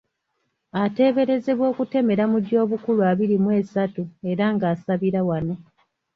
Ateeberezebwa okutemera mu gy'obukulu abiri mu esatu era ng'asabira wano.